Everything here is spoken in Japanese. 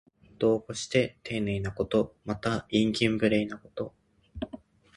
度を越してていねいなこと。また、慇懃無礼なこと。